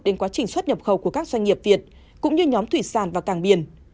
đến quá trình xuất nhập khẩu của các doanh nghiệp việt cũng như nhóm thủy sàn và càng biển